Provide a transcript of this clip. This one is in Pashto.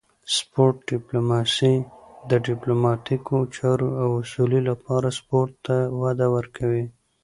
سپورت ډیپلوماسي د ډیپلوماتیکو چارو او سولې لپاره سپورت ته وده ورکوي